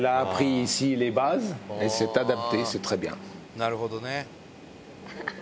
なるほどね。